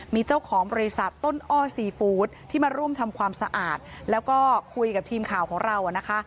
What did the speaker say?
มีเจ้าของบริษัทต้นอ้อซีฟู้ดที่มาร่วมทำความสะอาดแล้วก็คุยกับทีมข่าวของเรานะคะ